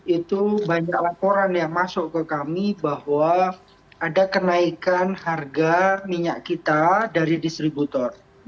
itu banyak laporan yang masuk ke kami bahwa ada kenaikan harga minyak kita dari distributor